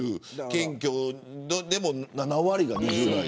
検挙でも７割が２０代。